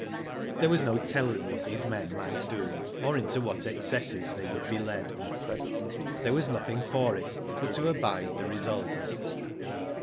There was no telling what these men might do, or into what excesses they would be led. There was nothing for it but to abide the result.